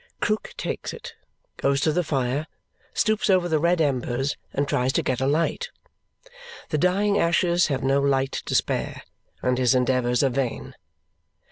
Krook takes it, goes to the fire, stoops over the red embers, and tries to get a light. The dying ashes have no light to spare, and his endeavours are vain.